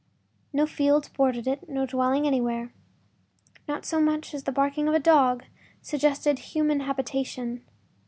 No fields bordered it, no dwelling anywhere. Not so much as the barking of a dog suggested human habitation.